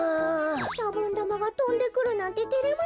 シャボンだまがとんでくるなんててれますねえ。